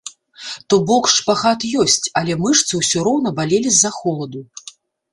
То бок, шпагат ёсць, але мышцы ўсё роўна балелі з-за холаду.